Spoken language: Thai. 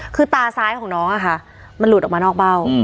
คือตาซ้ายของน้องอะค่ะมันหลุดออกมานอกเบ้า